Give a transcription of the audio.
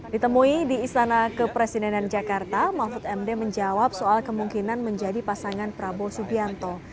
ditemui di istana kepresidenan jakarta mahfud md menjawab soal kemungkinan menjadi pasangan prabowo subianto